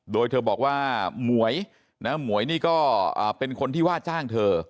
โดยเธอบอกว่าหมวยนะหมวยนี่ก็เป็นคนที่ว่าจ้างเธอ